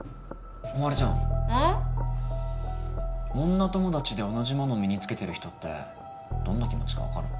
女友達で同じもの身に着けてる人ってどんな気持ちか分かる？